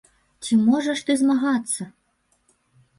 Ці можаш ты змагацца?